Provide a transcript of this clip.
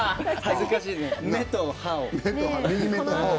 目と歯を。